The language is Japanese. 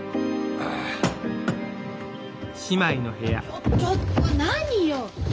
ちょちょっと何よ？